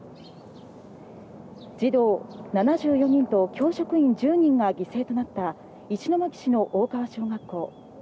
児童７４人と教職員１０人が犠牲となった石巻市の大川小学校。